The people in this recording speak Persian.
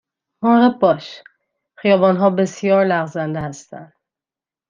مراقب باش، خیابان ها بسیار لغزنده هستند.